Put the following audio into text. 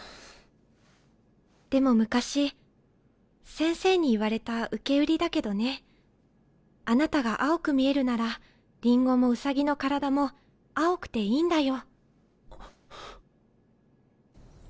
でも昔先生に言われた受け売りだけどねあなたが青く見えるならリンゴもウサギの体も青くていいんだよ。